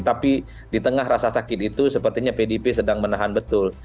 tapi di tengah rasa sakit itu sepertinya pdip sedang menahan betul